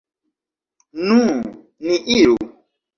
Nu, ni iru.